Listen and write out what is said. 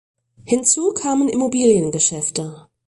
Hinzu kamen Immobiliengeschäfte.